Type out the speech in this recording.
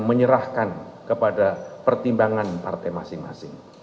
menyerahkan kepada pertimbangan partai masing masing